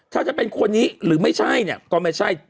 ถ้าจะเป็นคนนี้หรือไม่ใช่เนี่ยก็ไม่ใช่